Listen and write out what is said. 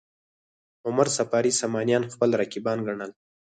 عمر صفاري سامانیان خپل رقیبان ګڼل.